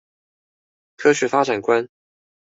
科學發展觀